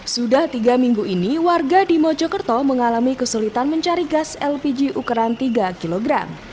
sudah tiga minggu ini warga di mojokerto mengalami kesulitan mencari gas lpg ukuran tiga kg